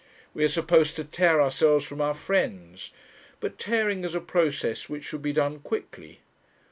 We are supposed to tear ourselves from our friends; but tearing is a process which should be done quickly.